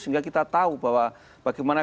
sehingga kita tahu bahwa bagaimana